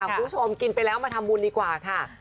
คุณผู้ชมกินไปแล้วมาทำบุญดีกว่าค่ะ